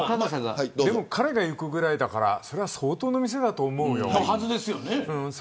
でも、彼が行くぐらいだからそれは相当な店だと思うよ。